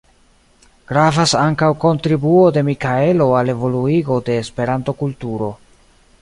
Gravas ankaŭ kontribuo de Mikaelo al evoluigo de Esperanto-kulturo.